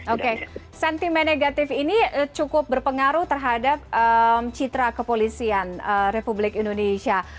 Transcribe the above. oke sentimen negatif ini cukup berpengaruh terhadap citra kepolisian republik indonesia